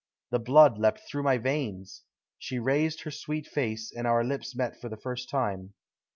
The blood leaped through my veins. She raised her sweet face and our lips met for the first time.